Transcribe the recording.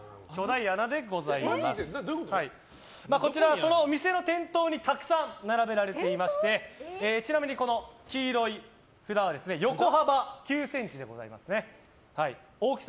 こちらはその店の店頭にたくさん並べられていましてちなみに、黄色い札は横幅９ｃｍでございますね。